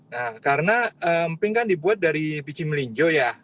nah karena emping kan dibuat dari biji melinjo ya